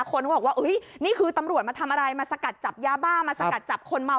คนก็บอกว่านี่คือตำรวจมาทำอะไรมาสกัดจับยาบ้ามาสกัดจับคนเมา